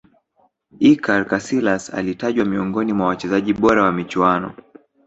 iker casilas alitajwa miongoni mwa wachezaji bora wa michuano